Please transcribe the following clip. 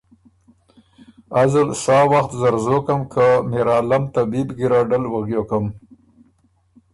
ازل سا وخت زر زوکم که میرعالم طبیب ګیرډل وغیوکم۔